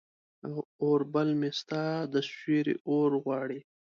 اوربل مې ستا د سیوري اورغواړي